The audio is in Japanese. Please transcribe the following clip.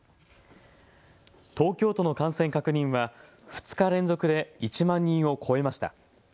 東京都の感染確認は２日連続で１万人を超えました。